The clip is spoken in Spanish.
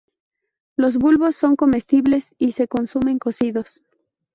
Los bulbos son comestibles y se consumen cocidos.